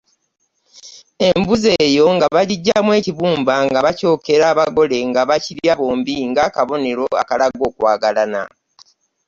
Embuzi eyo nga bagiggyamu ekibumba nga bakyokera abagole nga bakirya bombi ng’akabonero akalaga okwagalana.